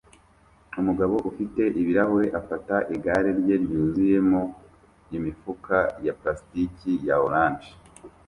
Umugabo ufite ibirahure afata igare rye ryuzuyemo imifuka ya plastiki ya orange